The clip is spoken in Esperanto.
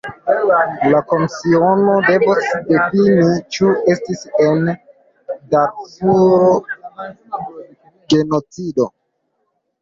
La komisiono devos difini, ĉu estis en Darfuro genocido.